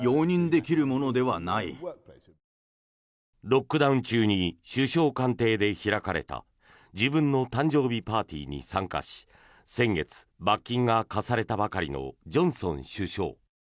ロックダウン中に首相官邸で開かれた自分の誕生日パーティーに参加し先月、罰金が科されたばかりのジョンソン首相。